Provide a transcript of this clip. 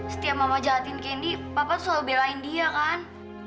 setiap mama jahatin kendi papa selalu belain dia kan